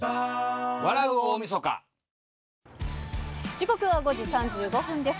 時刻は５時３５分です。